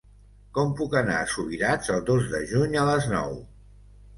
Com puc anar a Subirats el dos de juny a les nou?